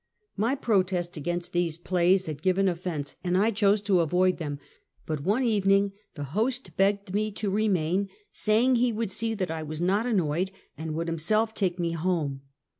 My protest against these plays had given offense, and I chose to avoid them; but one evening the host begged me to remain, saying he would see that I was not annoyed, and would himself take me home.